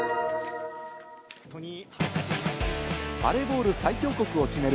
バレーボール最強国を決める